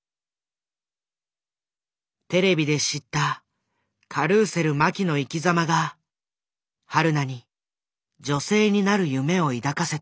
テレビで知ったカルーセル麻紀の生きざまがはるなに女性になる夢を抱かせた。